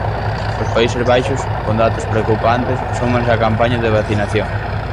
Os Países Baixos, con datos preocupantes, súmanse á campaña de vacinación.